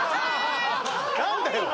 何だよ？